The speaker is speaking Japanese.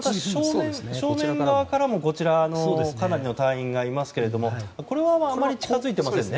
正面側からもかなりの隊員がいますけどもこれはあまり近づいてませんね。